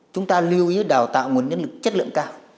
chúng ta lưu ý đào tạo nguồn nhân lực chất lượng cao